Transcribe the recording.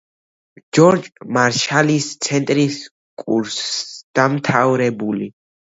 ჯორჯ მარშალის ცენტრის კურსდამთავრებული.